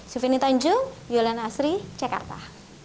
sufini tanjung yuliana asri cekarta